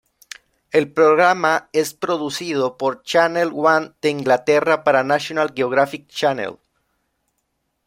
El programa es producido por Channel One de Inglaterra para National Geographic Channel.